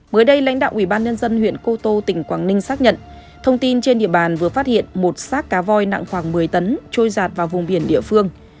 mới đây lãnh đạo ubnd huyện cô tô tỉnh quảng ninh xác nhận thông tin trên địa bàn vừa phát hiện một xác cá voi nặng khoảng một mươi tấn trôi giạt vào vùng biển địa phương